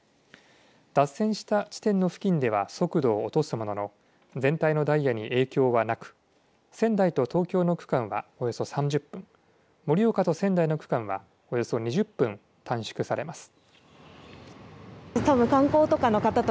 脱線した地点の付近では速度を落とすものの全体のダイヤに影響はなく仙台と東京の区間はおよそ３０分盛岡と仙台の区間はおよそ２０分短縮されます。